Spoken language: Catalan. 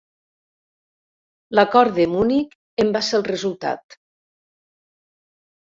L'Acord de Munic en va ser el resultat.